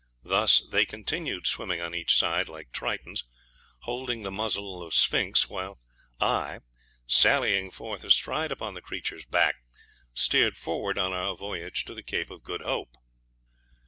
Thus they continued swimming on each side, like tritons, holding the muzzle of Sphinx, while I, sallying forth astride upon the creature's back, steered forward on our voyage to the Cape of Good Hope.